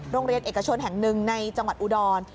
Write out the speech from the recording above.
โรงเรียนเอกชนแห่งหนึ่งในจังหวัดอุดร